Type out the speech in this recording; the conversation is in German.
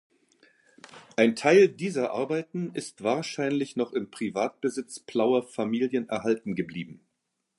Ein Teil dieser Arbeiten ist wahrscheinlich noch im Privatbesitz Plauer Familien erhalten geblieben.